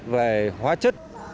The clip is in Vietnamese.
về hóa chất